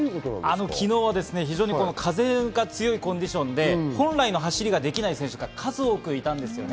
昨日は非常に風が強いコンディションで本来の走りができない選手が数多くいたんですよね。